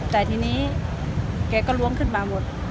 แต่ทีนี้แกก็ล้วงขึ้นมาหมด